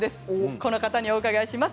この方に伺います。